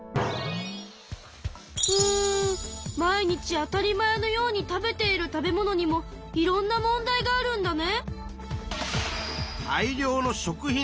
うん毎日当たり前のように食べている食べ物にもいろんな問題があるんだね。